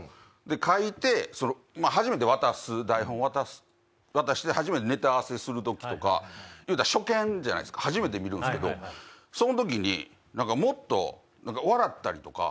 書いて初めて台本渡して初めてネタ合わせする時とかいうたら初見じゃないっすか初めて見るんすけどその時に何かもっと。